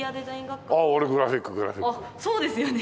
そうですよね。